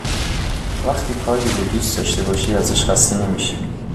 وقتی کاری رو دوست داشته باشی ازش خسته نمی شی